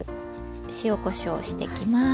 塩・こしょうしてきます。